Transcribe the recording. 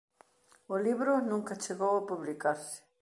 O libro nunca chegou a publicarse.